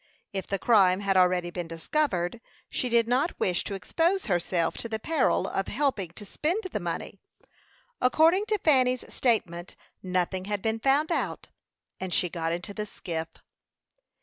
If the crime had already been discovered, she did not wish to expose herself to the peril of helping to spend the money. According to Fanny's statement, nothing had been found out, and she got into the skiff.